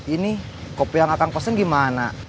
ini kopi yang akan kau pesen gimana